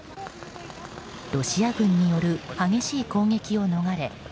ロシア軍による激しい攻撃を逃れ